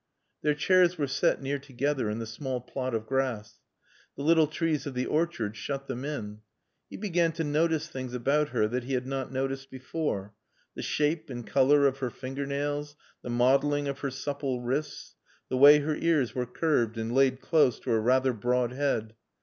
Their chairs were set near together in the small plot of grass. The little trees of the orchard shut them in. He began to notice things about her that he had not noticed before, the shape and color of her finger nails, the modeling of her supple wrists, the way her ears were curved and laid close to her rather broad head.